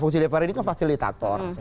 fungsi dpr ini kan fasilitator